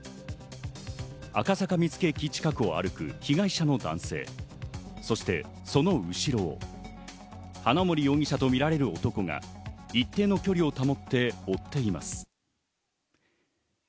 赤坂見附駅付近を歩く被害者の男性、そしてその後ろを花森容疑者とみられる男が一定の距離を保って、追っています。